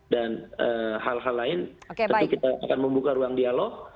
dan hal hal lain tentu kita akan membuka ruang dialog